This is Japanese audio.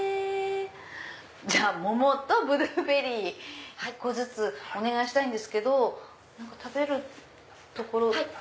じゃあ桃とブルーベリー１個ずつお願いしたいんですけど食べる所って。